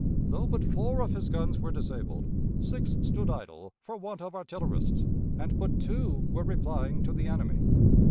Though but four of his guns were disabled, six stood idle for want of artillerists, and but two were replying to the enemy.